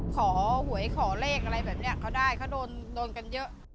หวยขอเลขอะไรแบบนี้เขาได้เขาโดนกันเยอะ